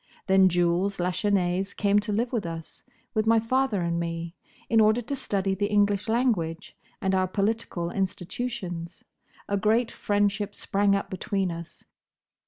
Then Jules Lachesnais came to live with us—with my father and me—in order to study the English language and our political institutions. A great friendship sprang up between us.